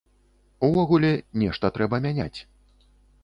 Увогуле, нешта трэба мяняць.